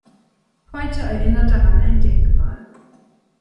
Heute erinnert daran ein Denkmal.